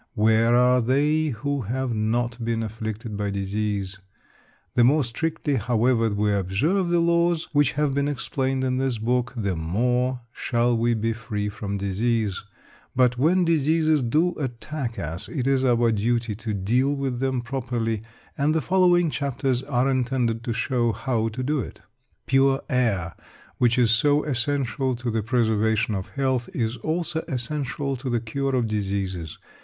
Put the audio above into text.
Where are they who have not been afflicted by disease? The more strictly, however, we observe the laws which have been explained in this book, the more shall we be free from disease. But when diseases do attack us, it is our duty to deal with them properly, and the following chapters are intended to show how to do it. Pure air, which is so essential to the preservation of health, is also essential to the cure of diseases.